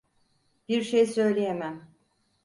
Bir şey söyleyemem.